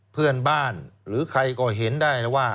เพื่อนบ้านหรือใครก็เห็นได้